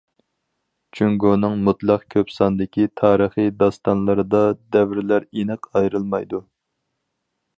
جۇڭگونىڭ مۇتلەق كۆپ ساندىكى تارىخىي داستانلىرىدا دەۋرلەر ئېنىق ئايرىلمايدۇ.